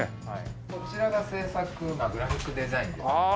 こちらが制作グラフィックデザインです。